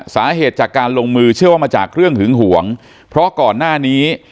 สาเหตุจากการลงมือเชื่อว่ามาจากเรื่องหึงหวงเพราะก่อนหน้านี้